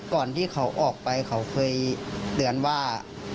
ก่อนที่เขาออกไปเขาเคยเตือนว่า